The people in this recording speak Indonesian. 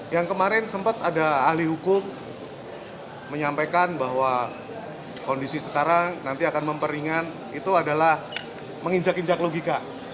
yang kemarin sempat ada ahli hukum menyampaikan bahwa kondisi sekarang nanti akan memperingan itu adalah menginjak injak logika